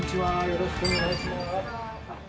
よろしくお願いします。